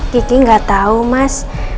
kiki gak tau mas